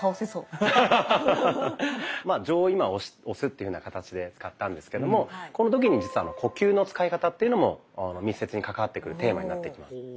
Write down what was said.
まあ杖を今押すっていうふうな形で使ったんですけどもこの時に実は呼吸の使い方っていうのも密接に関わってくるテーマになってきます。